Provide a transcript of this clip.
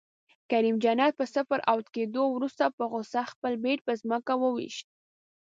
کریم جنت په صفر اؤټ کیدو وروسته په غصه خپل بیټ په ځمکه وویشت